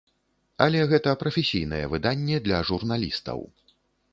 Але гэта прафесійнае выданне для журналістаў.